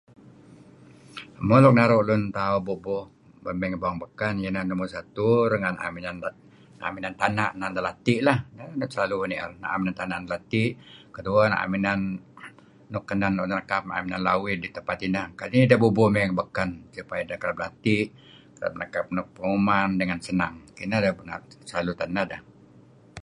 Mo luk naru' lun tauh bubuh mey ngi bawang beken, iyeh neh numur satu renga' ideh na'em inan tana' na'em inan deh lati' lah, neh selalu uih ni'er, am tana' inan deh lati' ; kedueh na'em inan nuk kenen inan deh nekap na'em lawid lem tempat ineh kadi' nideh bubuh mey bawang beken supaya ideh kereb lati', nekap nuk penguman dengan senang. Kineh deh selalu tad neh deh.